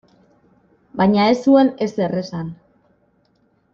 Baina ez zuen ezer esan.